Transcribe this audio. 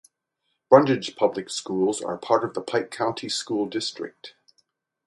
Brundidge Public Schools are part of the Pike County School District.